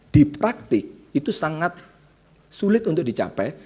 di praktik itu sangat sulit untuk dicapai